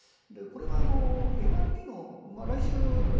これはＦＲＢの来週